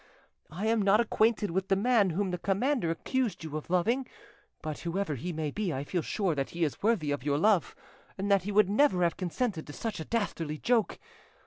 I am not acquainted with the man whom the commander accused you of loving, but whoever he may be I feel sure that he is worthy of your love, and that he would never have consented to such a dastardly joke.